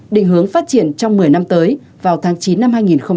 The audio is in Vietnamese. định hướng phát triển trong một mươi năm tới vào tháng chín năm hai nghìn hai mươi